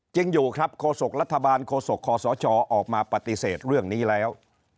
จริงอยู่ครับโคศกรัฐบาลโคศกคศออกมาปฏิเสธเรื่องนี้แล้ว